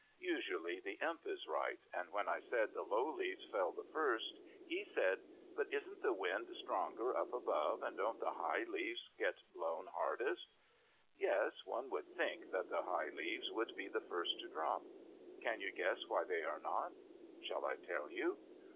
Usually the Imp is right, and when I said the low leaves fell the first, he said, "But isn't the wind stronger up above, and don't the high leaves get blown hardest?" Yes, one would think that the high leaves would be the first to drop. Can you guess why they are not? Shall I tell you?